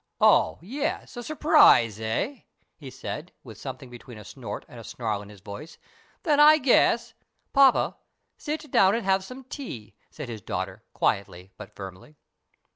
"Oh yes! A surprise, eh?" he said, with something between a snort and a snarl in his voice. "Then I guess " "Poppa, sit down and have some tea," said his daughter, quietly but firmly.